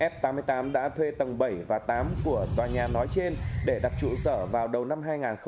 f tám mươi tám đã thuê tầng bảy và tám của tòa nhà nói trên để đặt trụ sở vào đầu năm hai nghìn hai mươi